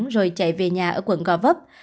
rồi chạy về nhà ở quận gò vấp